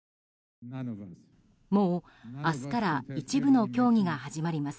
もう、明日から一部の競技が始まります。